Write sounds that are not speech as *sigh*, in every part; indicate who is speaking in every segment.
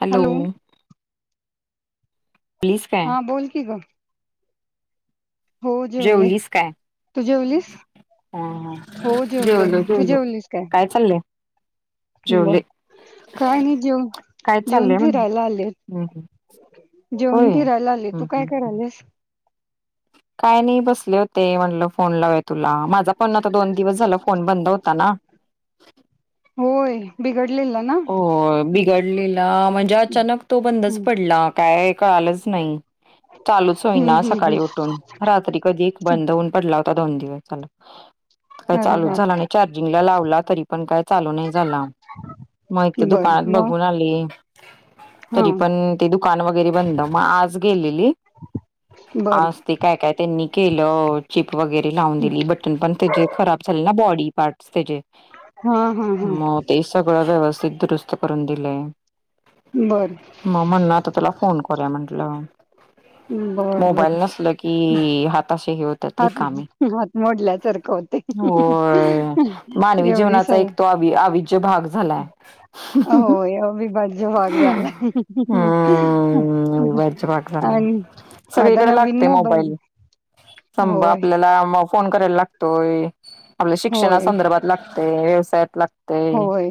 Speaker 1: Hello. जेवलीस काय
Speaker 2: हा बोलकी ग. हो जेवले.
Speaker 1: जेवलीस काय
Speaker 2: तू जेवलीस?
Speaker 1: ह
Speaker 2: हो जेवले.
Speaker 1: जेवलो
Speaker 2: तू
Speaker 1: जेवलो
Speaker 2: जेवलीस काय? बर.
Speaker 1: जेवले
Speaker 2: काय नाही जेव
Speaker 1: काय
Speaker 2: जेऊन
Speaker 1: चाललंय म्हणलं
Speaker 2: फिरायला आले.
Speaker 1: हम्म हम्म. होय
Speaker 2: जेऊन फिरायला आली. तू
Speaker 1: हम्म
Speaker 2: काय
Speaker 1: हम्म हम्म.
Speaker 2: कराल्यास?
Speaker 1: *unintelligible* काय नाही बसले होते. म्हणलं फोन लावूया तुला. माझा पण आता दोन दिवस झाला फोन बंद होता ना. *inaudible*
Speaker 2: होय बी
Speaker 1: हो बिघडलेला, म्हणजे अचानक तो बंदच
Speaker 2: हम्म
Speaker 1: पडला. काय कळालंच नाही. चालूच होईना
Speaker 2: हम्म
Speaker 1: सकाळी उठून, रात्री कधी बंद होऊन पडला आता दोन दिवस झालं. काय
Speaker 2: हम् अरे
Speaker 1: चालूच झाला नाही
Speaker 2: बापरे
Speaker 1: चार्जिंगला लावला तरीपण काय चालू नाही झाला. मग इथ
Speaker 2: बर
Speaker 1: दुकानात
Speaker 2: मग
Speaker 1: बघून आली
Speaker 2: हा
Speaker 1: तरी पण ते दुकान वगैरे बंद. मग आज गेलेले
Speaker 2: बर
Speaker 1: आज ते काय काय त्यांनी केलं. चिप वगैरे लावून दिली बटन पण त्याचे खराब झाले ना बॉडी. पार्टस त्याजे.
Speaker 2: हा हा हा
Speaker 1: मग ते सगळं व्यवस्थित दुरुस्त करून दिलंय.
Speaker 2: बर
Speaker 1: मग म्हणल आता तुला फोन करुया म्हंटलं.
Speaker 2: बर
Speaker 1: मोबाईल
Speaker 2: बर
Speaker 1: नसल की, हाता अशे हे होतात
Speaker 2: हात
Speaker 1: रिकामे.
Speaker 2: हात मोडल्यासारखं होते
Speaker 1: होय मानवी
Speaker 2: एवढी
Speaker 1: जीवनाचा एक तो
Speaker 2: सवय
Speaker 1: अविभाज्य भाग झालाय.
Speaker 2: होय अविभाज्य भाग झालाय.
Speaker 1: हम्म अविभाज्य भाग झालाय
Speaker 2: आण म आता
Speaker 1: सगळीकडे
Speaker 2: नवीन
Speaker 1: लागते
Speaker 2: मोबाईल.
Speaker 1: *inaudible*
Speaker 2: होय
Speaker 1: आपल्याला फोन करायला लागतोय, आपल्या शिक्षणा
Speaker 2: होय
Speaker 1: संदर्भात लागतेय, व्यवसाया लागतंय,
Speaker 2: होय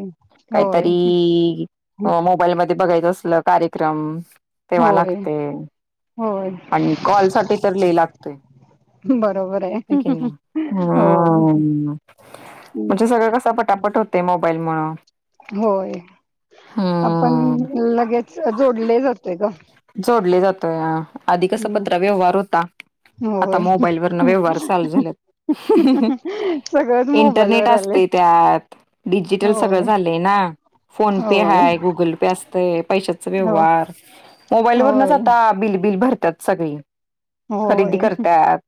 Speaker 2: होय
Speaker 1: काहीतरी मोबाईल मध्ये बघायच असल कार्यक्रम तेव्हा
Speaker 2: होय
Speaker 1: लागतय.
Speaker 2: होय
Speaker 1: आणि कॉल साठी तर लय लागतोय.
Speaker 2: बरोबर आहे
Speaker 1: हाय का नाही.
Speaker 2: होय
Speaker 1: हम्म म्हणजे सगळं कसं पटापट होते मोबाईल मूळ.
Speaker 2: होय. आपण
Speaker 1: हम्म.
Speaker 2: लगेच जोडले जातोय ग.
Speaker 1: जोडले जातोय आ. आधी कसा पत्र व्यवहार होता. आता
Speaker 2: होय
Speaker 1: मोबाईल वरन व्यवहार चालू झालेत.
Speaker 2: सगळंच मोबाईल
Speaker 1: इंटरनेट
Speaker 2: वर आले
Speaker 1: असते त्यात डिजिटल सगळं
Speaker 2: होय
Speaker 1: झाले ना. फोन पे
Speaker 2: होय
Speaker 1: हाय, गुगल पे असतय, पैशाचा
Speaker 2: हो
Speaker 1: व्यवहार मो मोबाईल वरनच
Speaker 2: होय
Speaker 1: आता बिलबिल भरत्यात सगळी, खरेदी
Speaker 2: होय
Speaker 1: करत्यात.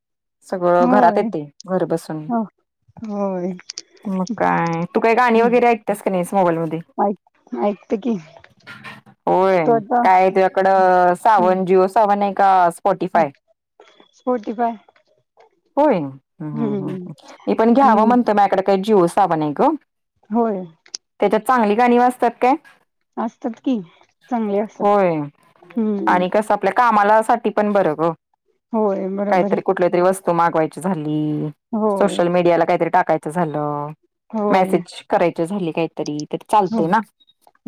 Speaker 1: सगळं घरात
Speaker 2: होय
Speaker 1: येते घर बसून.
Speaker 2: होय.
Speaker 1: मग काय तू काही गाणी वगैरे ऐकतेस का नाहीस, मोबाईल मध्ये.
Speaker 2: ऐक ऐकते की
Speaker 1: होय.
Speaker 2: तो आता
Speaker 1: काय तुझ्याकडे सावन जीओ सावन आहे का स्पॉटीफाय
Speaker 2: फोर्टी फाय.
Speaker 1: होय. ह ह ह मी पण घ्यावं
Speaker 2: हम्म
Speaker 1: म्हणतो मायकड काही जिओसावन हाय ग.
Speaker 2: होय.
Speaker 1: त्याच्यात चांगली गाणी वाजतात काय?
Speaker 2: असतात कि, चांगले असतात
Speaker 1: होय
Speaker 2: हम्म.
Speaker 1: आणि कसं आपल्या कामाला साठी पण बर ग.
Speaker 2: होय बरोबर आहे.
Speaker 1: त मागवायची झाली,
Speaker 2: होय
Speaker 1: सोशल मीडियाला काहीतरी टाकायचं झालं
Speaker 2: होय
Speaker 1: मेसेज करायचे झाले काहीतरी.
Speaker 2: हो
Speaker 1: चालते ना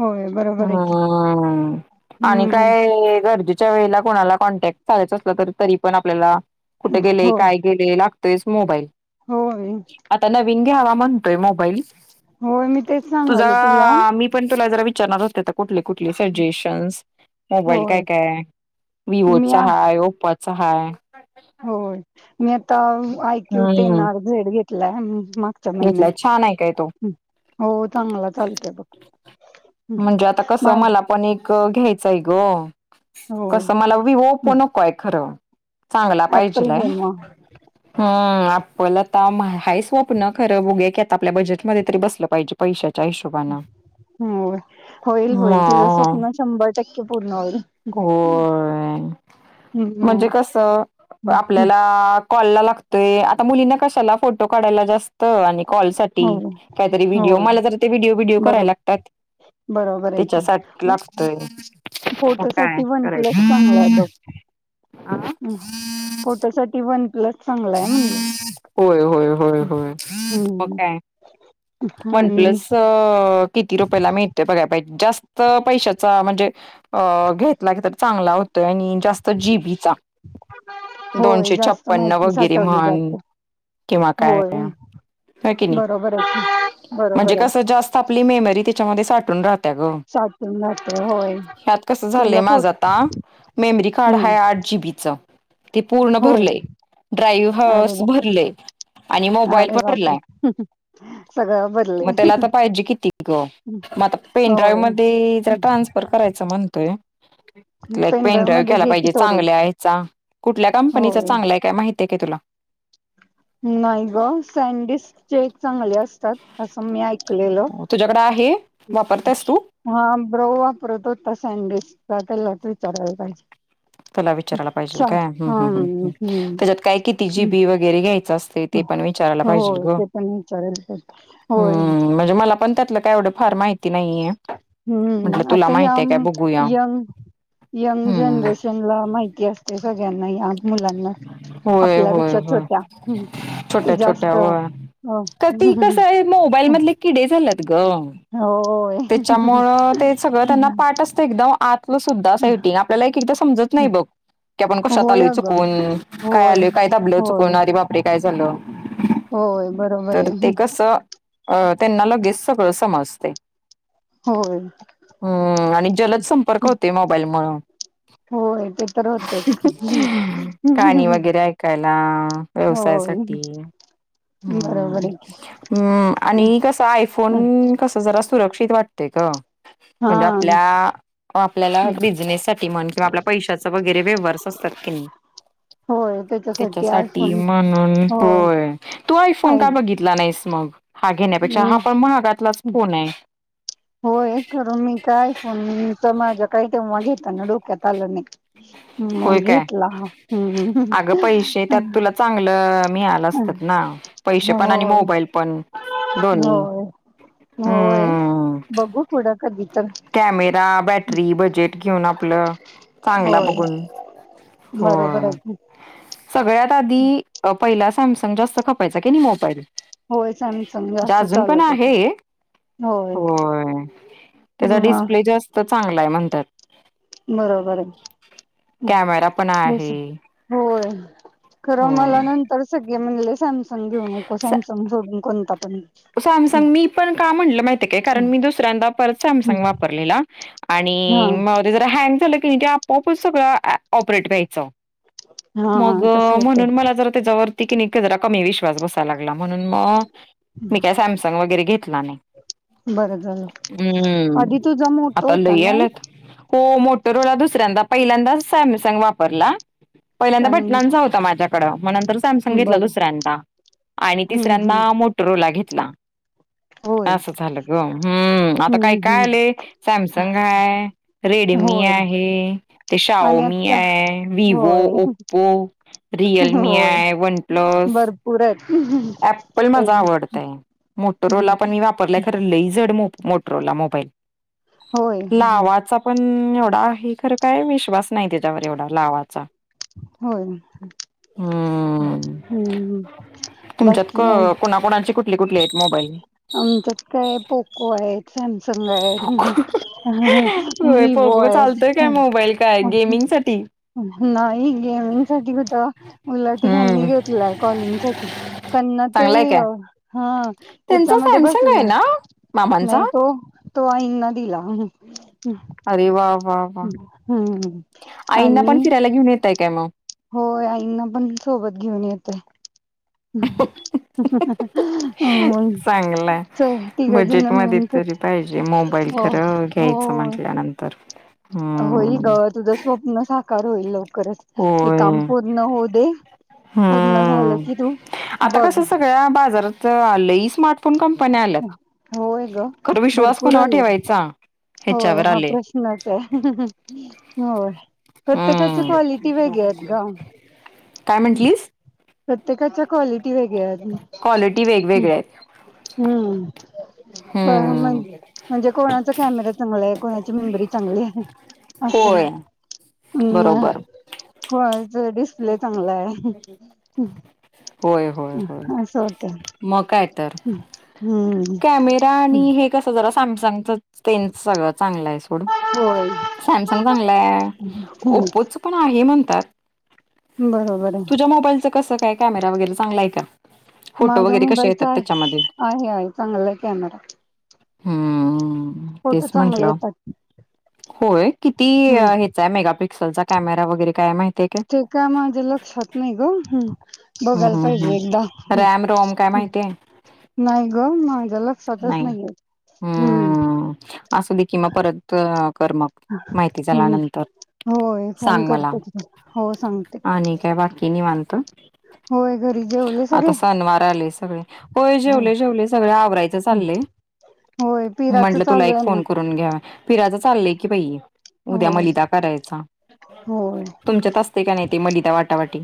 Speaker 2: होय बरोबर आहे की
Speaker 1: हम आणि
Speaker 2: हम्म
Speaker 1: काय गरजेच्या वेळेला कोणाला कॉन्टॅक्ट करायचाचं असलं तर तरी पण आपल्याला कुठे गेले
Speaker 2: हो
Speaker 1: काय गेले लागतोयस मोबाईल
Speaker 2: होय
Speaker 1: मी घ्यावा म्हणते मोबाईल,
Speaker 2: होय मी तेच सांगाले तुला
Speaker 1: तुझा मी पण तुला वि विचारणार होते कुठले कुठले सजेशन मोबाईल काय
Speaker 2: होय
Speaker 1: काय आहे
Speaker 2: मी
Speaker 1: विवोचा
Speaker 2: आ
Speaker 1: हाय ओप्पोचा हाय
Speaker 2: होय मी आता आयक्यू टेन
Speaker 1: हम्म
Speaker 2: आर् झेड घेतलाय. मागच्या
Speaker 1: घेतलाय छान आहे काय तो
Speaker 2: महिन्यात हो चांगला चालत बघ
Speaker 1: म्हणजे आता कस
Speaker 2: माझ
Speaker 1: मला पण एक घ्यायचं ग
Speaker 2: होय
Speaker 1: कसं मला विवो ओपो नकोय खरं चांगला
Speaker 2: ऍपल
Speaker 1: पाहिजे
Speaker 2: गेम
Speaker 1: आपला खरं बघगे की आ आपल्या बजेटमध्ये तरी बसलं पाहिजे पैशा
Speaker 2: हो होईल होईल तुझं
Speaker 1: मग
Speaker 2: स्वप्न शंभर टक्के पूर्ण होईल.
Speaker 1: होय
Speaker 2: हो
Speaker 1: म्हणजे कस आपल्याला कॉ लागतोय आता मुली कशाला फोटो काढायला जास्त आणि कॉल साठी
Speaker 2: हो
Speaker 1: काहीतरी व्हिडिओ
Speaker 2: होय
Speaker 1: मला तर ते व्हिडिओ व्हिडिओ करायला
Speaker 2: बरोबर
Speaker 1: लागतात.
Speaker 2: बरोबर
Speaker 1: त्याच्यासाठी लागतय
Speaker 2: फोटो साठी वन प्लस चांगला आहे बघ
Speaker 1: आ
Speaker 2: ह फोटो साठी वन प्लस चांगलाय म्हणलं
Speaker 1: होय होय होय होय मग काय
Speaker 2: हम्म हा
Speaker 1: वन प्लस किती रुपयाला मिळते बघायला पाहिजे जास्त पैशाचा म्हणजे घेतला क चांगला होतोय आणि जास्त जीबीचा दोनशे छप्पन्न वगैरे
Speaker 2: तघ
Speaker 1: म्हण
Speaker 2: जात
Speaker 1: किंवा काय व्हय कणी
Speaker 2: बरोबर आहे की
Speaker 1: म्हणजे
Speaker 2: बरोबर आहे
Speaker 1: कस जात आपली मेमरी त्याच्यामध्ये साठून राहत ग
Speaker 2: साठून जाते होय
Speaker 1: ह्यात कस झालंय
Speaker 2: तुला फोट
Speaker 1: माझं आता मेमरी कार्ड
Speaker 2: हम्म
Speaker 1: हाय आठ जीबीच ते पूर्ण
Speaker 2: होय
Speaker 1: भरलंय ड्राईव्ह
Speaker 2: अरे
Speaker 1: हास
Speaker 2: वा
Speaker 1: भरले आणि मोबाईल
Speaker 2: अरे
Speaker 1: भरलाय
Speaker 2: बापरे सगळं बदले
Speaker 1: मग त्याला आता पाहिजे किती ग मग आता पेनड्राईव्ह
Speaker 2: होय
Speaker 1: मध्ये जरा ट्रान्सफर करायचां म्हणत पेन
Speaker 2: पेनड्राईव्ह
Speaker 1: ड्राईव
Speaker 2: मध्ये
Speaker 1: घ्यायला
Speaker 2: घे की
Speaker 1: पाहिजे
Speaker 2: थोडी
Speaker 1: चांगल्या ह्याचा कुठल्या कंपनीचा
Speaker 2: होय
Speaker 1: चांगलाय काय माहिती तेक तुला
Speaker 2: जचे एक चांगले असतात असं मी ऐकलेल
Speaker 1: तुला तुझ्याकडे आहे वापरतेस तू
Speaker 2: हा ब्रो वापरत होता सँडविच चा लटरीचारयला पाहिजे
Speaker 1: तेला विचारायला पाहिजेल
Speaker 2: शा
Speaker 1: काय
Speaker 2: हम्म
Speaker 1: ह्
Speaker 2: हम्म
Speaker 1: त्याच्यात काय किती जीबी
Speaker 2: हम्म
Speaker 1: वगैरे घ्यायचं असतय ते पण विचारायला पाहिजे
Speaker 2: हो
Speaker 1: ग
Speaker 2: ते पण विचारायला पाहिजे. होय
Speaker 1: म्हणजे मला पण त्यात काय एवढं फार माहिती नाहीये म्हटलं
Speaker 2: हम्म
Speaker 1: तुला
Speaker 2: आता या
Speaker 1: माहितीय
Speaker 2: आम
Speaker 1: काय बघूया
Speaker 2: यंग यंग
Speaker 1: हम्म
Speaker 2: जनरेशन ला माहिती असते सगळ्यांना या मुलांना
Speaker 1: होय होय
Speaker 2: आपल्यापेक्षा
Speaker 1: होय
Speaker 2: छोट्या ते जास्त
Speaker 1: का ती कसं आहे मोबाईल मधले किडे झाल्यात ग
Speaker 2: होय.
Speaker 1: त्याच्यामुळ ते सगळं त्यांना पाठ असतं एकदम आतलं सुद्धा सेटिंग आपल्याला एक एकदा समजत नाही हो बघ की आपण कशात
Speaker 2: होय
Speaker 1: आलोय
Speaker 2: अगं
Speaker 1: चुकून काय
Speaker 2: होय.
Speaker 1: आलूय काय दाबलं
Speaker 2: होय
Speaker 1: चुकून आरे बापरे काय झालं
Speaker 2: होय बरोबर
Speaker 1: तर
Speaker 2: आहे
Speaker 1: ते कस अ त्यांना लगेच सगळं समजतंय
Speaker 2: होय
Speaker 1: आणि जलद संपर्क होते मोबाईल मूळ.
Speaker 2: होय ते तर होतेच.
Speaker 1: गाणी वगैरे ऐकायला व्यवसायात
Speaker 2: होय
Speaker 1: साठी.
Speaker 2: बरोबर आहे की. हं,
Speaker 1: आणि कस
Speaker 2: हं.
Speaker 1: आयफोन कस जरा सुरक्षित वाटतय ग
Speaker 2: हा
Speaker 1: म्हणजे आपल्या आपल्याला
Speaker 2: हं.
Speaker 1: बिझनेससाठी म्हण किंवा आपल्या पैशाच वगैरे व्यवहार असतील. ख नाही
Speaker 2: होय
Speaker 1: *unintelligible* त्याच्यासाठी
Speaker 2: आयफोन
Speaker 1: म्हणून होय तू आयफोन का
Speaker 2: पाहिजे.
Speaker 1: बघितला नाहीस मग हा घेण्यापेक्षा हा
Speaker 2: हं,
Speaker 1: पण महागातलाच
Speaker 2: हं.
Speaker 1: फोन आहे.
Speaker 2: होय खरं मी काय फोन मी तर माझ्या काय तेव्हा घेताना डोक्यात आलं नाही. मग
Speaker 1: होय काय?
Speaker 2: घेतला
Speaker 1: अगं पैसे
Speaker 2: हा.
Speaker 1: त्यात तुला चांगलं मिळालं असतं ना पैसे पण आणि
Speaker 2: होय
Speaker 1: मोबाईल पण दोन्ही
Speaker 2: होय होय
Speaker 1: हम्म.
Speaker 2: बघू पुढं कधी तर.
Speaker 1: Camera battery budget. घेऊन आपलं चांगला
Speaker 2: होय
Speaker 1: बघून
Speaker 2: बरोबर
Speaker 1: होय.
Speaker 2: आहे की.
Speaker 1: सगळ्यात आधी पहिला सॅमसंग जास्त खपायचा कणी मोबाईल.
Speaker 2: होय सॅमसंग
Speaker 1: म्हणजे
Speaker 2: जास्त
Speaker 1: अजून पण
Speaker 2: चालत होत
Speaker 1: आहे होय त्याचा
Speaker 2: म
Speaker 1: डिस्प्ले जास्त चांगला आहे म्हणतात.
Speaker 2: बरोबर आहे.
Speaker 1: कॅमेरा पण आहे.
Speaker 2: होय खरं मला
Speaker 1: होय.
Speaker 2: नंतरच. म्हण सॅमसंग घेऊ नको सॅमसंग सोडून कोणताही
Speaker 1: सॅमसंग मी पण का म्हणलं माहिती काय कारण मी दुसऱ्यांदा परत सॅमसंग वापरलेला आणि
Speaker 2: हा
Speaker 1: आणि मधी ते जरा हँग झालं की आपोआपच सगळं ऑपरेट व्यायचं.
Speaker 2: हा
Speaker 1: मग
Speaker 2: तस होत
Speaker 1: म्हणून मला जरा त्याच्यावरती कणी जरा कमी विश्वास बसाय लागलय म्हणून मग मी काय सॅमसंग वगैरे घेतला नाय.
Speaker 2: बरं झालं
Speaker 1: हम्म
Speaker 2: आधी तुझा मोठा
Speaker 1: आता
Speaker 2: होता
Speaker 1: लय
Speaker 2: ना एक
Speaker 1: याल्यात हो मोटोरोला दुसऱ्यांदा पहिल्यांदाच सॅमसंग वापरला. पहिल्यांदा
Speaker 2: त्यानंतर
Speaker 1: बटणाचा होता माझ्याकडं. मग नंतर सॅमसंग घेतला
Speaker 2: बरं
Speaker 1: दुसऱ्यांदा आणि
Speaker 2: हम्म हम्म
Speaker 1: तिसऱ्यांदा मोटोरोला घेतला.
Speaker 2: होय हम्म
Speaker 1: अस झालं ग हम्म आता काय काय
Speaker 2: हम्म
Speaker 1: आलंय सॅमसंग हाय री रेडमी
Speaker 2: होय
Speaker 1: आहे
Speaker 2: आणि
Speaker 1: शाओमी
Speaker 2: आता
Speaker 1: आहे व्हिवो
Speaker 2: होय
Speaker 1: ओ रियलमी
Speaker 2: होय
Speaker 1: आय वनप्लस
Speaker 2: भरपूर आहेत
Speaker 1: ॲपल माझा आवडतय मोटरोला पण मी वापरलाय खर लय जड मोप मोटोरोला मोबाईल
Speaker 2: होय
Speaker 1: लावाचा पण एवढा आहे खरं काय विश्वास नाही त्याच्यावर एवढा लावाचा
Speaker 2: होय
Speaker 1: हम्म
Speaker 2: हम्म.
Speaker 1: तुमच्यात क
Speaker 2: बाकी
Speaker 1: कुणाकुणाची कुठली कुठली आहेत मोबाईल.
Speaker 2: आमच्यात काय पोको हाय सॅम सगळाय
Speaker 1: पोको
Speaker 2: हम्म्म हाहा
Speaker 1: होय
Speaker 2: विवो
Speaker 1: पोको
Speaker 2: हाय.
Speaker 1: चालतोय काय मोबाईल काय गेमिंग साठी
Speaker 2: नाही गेमिंग साठी कुठं उलट ह्यांनी
Speaker 1: हम्म
Speaker 2: घेतलाय कॉलिंग साठी. त्यांना ते.
Speaker 1: चांगलाय काय त्यांचा
Speaker 2: हेच्यामध्ये
Speaker 1: सॅमसंग आहे
Speaker 2: बसला
Speaker 1: ना मामांचा
Speaker 2: नाही तो तो आईंना दिला.
Speaker 1: अरे वा वा वा
Speaker 2: हम्म
Speaker 1: आईंना पण
Speaker 2: आणि
Speaker 1: फिरायला घेऊन येताय काय मग.
Speaker 2: होय आईंना पण सोबत घेऊन येतोय. हम्मम मग
Speaker 1: चांगलाय
Speaker 2: च तिघजन मिळून करतय.
Speaker 1: बाई खरं घ्यायचं म्हंटल्यानंतर
Speaker 2: होईल ग तुझं स्वप्न साकार होईल लव खरंच हे काम पूर्ण होऊ दे पूर्ण झालं
Speaker 1: ह्म
Speaker 2: की तू
Speaker 1: आता कस
Speaker 2: बघ
Speaker 1: सगळ्या बाजारातच लय स्मार्टफोन कं पण आलं
Speaker 2: होय ग
Speaker 1: खर विश्वास
Speaker 2: भरपूर
Speaker 1: कोणाव
Speaker 2: आलेत
Speaker 1: ठेवायचा
Speaker 2: होय
Speaker 1: ह्याच्यावर
Speaker 2: हा
Speaker 1: आले
Speaker 2: प्रश्नच अय होय प्रत्येकाची
Speaker 1: हम्म
Speaker 2: क्वालिटी वेगळे हायत ग
Speaker 1: काय म्हंटलीस
Speaker 2: प्रत्येकाच्या क्वालिटी वेगळ्यात
Speaker 1: क्वालिटी
Speaker 2: हम्
Speaker 1: वेगवेगळ्या आहेत
Speaker 2: पण मग
Speaker 1: हम्म
Speaker 2: म्हणजे कोणाचा कॅमेरा चां कोणाची मेंबरी चांगली आहे अस
Speaker 1: होय
Speaker 2: ह्
Speaker 1: बरोबर
Speaker 2: कोणाचा डिस्प्ले चांगलाय
Speaker 1: होय होय होय
Speaker 2: ह अस होतंय
Speaker 1: मग काय तर
Speaker 2: हम्म
Speaker 1: कॅमेरा आणि हे कस जरा सॅमसंगच तेन सगळं चांगलाय सोड
Speaker 2: होय
Speaker 1: सॅमसंग चांगलाय
Speaker 2: हम्म
Speaker 1: ओप्पोच पण आहे म्हण
Speaker 2: बरोबर आहे.
Speaker 1: तुझ्या मोबाईलच कस काय कॅमेरा वगैरे चांगलाय का फोटो वगैरे कशे येतात त्याच्यामध्ये
Speaker 2: चांगलाय कॅमेरा
Speaker 1: हम्म
Speaker 2: फोटू
Speaker 1: तेच
Speaker 2: चांगले
Speaker 1: म्हंटलं
Speaker 2: येतात
Speaker 1: होय किती
Speaker 2: हम्म.
Speaker 1: हेचा मेगा पिक्सल चा कॅमेरा वगैरे काय माहि
Speaker 2: ते काय माझे लक्षात नाही ग
Speaker 1: हम्म
Speaker 2: बघायला
Speaker 1: हम्म
Speaker 2: पाहिजे
Speaker 1: हम्म
Speaker 2: एकदा
Speaker 1: रॅम रोम काय
Speaker 2: हम्म
Speaker 1: माहितीय
Speaker 2: नाही ग माझ्या लक्षातच
Speaker 1: नाही
Speaker 2: नाहीय्य हम्
Speaker 1: हम्म असू दे की मग परत क कर मग माहिती
Speaker 2: हम्म
Speaker 1: झाल्यानंतर
Speaker 2: होय फोन
Speaker 1: सांग मला
Speaker 2: करते की हो सांगते
Speaker 1: आणि काय बाकी निवांत.
Speaker 2: होय घरी जेवले सगळे
Speaker 1: ग होय
Speaker 2: हो
Speaker 1: जेवले जेवले सगळ आवरायच चालले
Speaker 2: होय पिराच
Speaker 1: म्हंटलं तुला
Speaker 2: चालू
Speaker 1: एक
Speaker 2: आहे
Speaker 1: फोन
Speaker 2: ना.
Speaker 1: करून घ्या फिरायचं चाललंय की पाहि उद्या
Speaker 2: होय
Speaker 1: मलिदा करायचा
Speaker 2: होय
Speaker 1: तुमच्यात असते का नाही ते मलिता वाटावाटी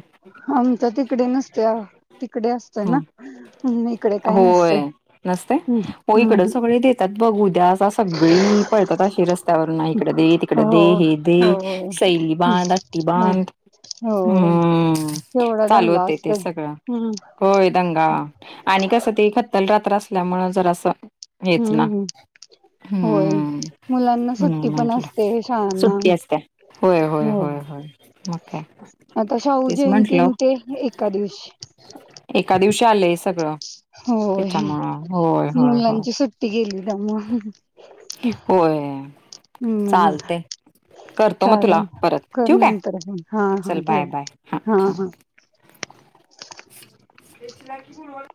Speaker 2: आम त ते तिकडे नसते अ तिकडे असतय
Speaker 1: हं.
Speaker 2: ना हम्म इकडे काही नसत
Speaker 1: होय. नसते?
Speaker 2: हम्
Speaker 1: हो इकडं सगळे देतात बघून सगळी पळतातशी रस्त्यावर नाही इकडे दे तिकडे
Speaker 2: हो.
Speaker 1: दे हे दे
Speaker 2: होय
Speaker 1: सैली बा ही बांध
Speaker 2: होय
Speaker 1: हम्म.
Speaker 2: तेवढं
Speaker 1: चालू होते ते सगळं होय दंगा आणि कसं ते खत्तल रात्र तमळजरसं
Speaker 2: हम्म हम् होय
Speaker 1: हम्म
Speaker 2: मुलांना
Speaker 1: म्हणून
Speaker 2: सुट्ट पण
Speaker 1: म्हंटलं.
Speaker 2: असते शाळांना होय
Speaker 1: ह हो म का
Speaker 2: आता शाहू जयंती म्ह ते एका
Speaker 1: एका
Speaker 2: दिवस
Speaker 1: दिवशी आलंय सगळं.
Speaker 2: होय
Speaker 1: त्याच्यामुळं होय होय
Speaker 2: मुलांची सुट्टी गेली जा मग
Speaker 1: हो चालते करतो मग तुला
Speaker 2: चालेल.
Speaker 1: परत
Speaker 2: कर
Speaker 1: ठीक आहे
Speaker 2: नंतर फोन. हा हा
Speaker 1: चल बाय
Speaker 2: ठेव
Speaker 1: बाय हा हा ते की बूरवा